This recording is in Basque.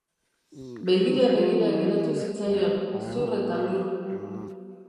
Begira-begira geratu zitzaion, zur eta lur.